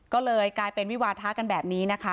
ก็เลยกลายเป็นวิวาทะกันแบบนี้นะคะ